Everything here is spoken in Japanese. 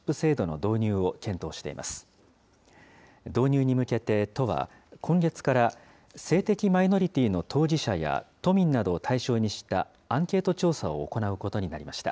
導入に向けて都は、今月から、性的マイノリティーの当事者や都民などを対象にしたアンケート調査を行うことになりました。